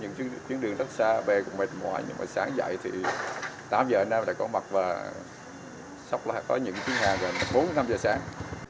những chuyến đường rất xa về cũng mệt mỏi nhưng mà sáng dậy thì tám giờ anh em đã có mặt và sắp lại có những chuyến hàng rồi bốn năm giờ sáng